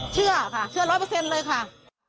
เชื่อค่ะเชื่อร้อยเปอร์เซ็นต์เลยค่ะ